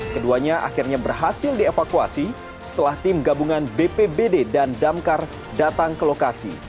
keduanya akhirnya berhasil dievakuasi setelah tim gabungan bpbd dan damkar datang ke lokasi